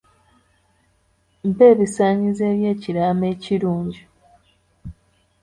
Mpa ebisaanyizo by'ekiraamo ekirungi.